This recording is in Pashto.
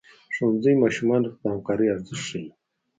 ښوونځی ماشومانو ته د همکارۍ ارزښت ښيي.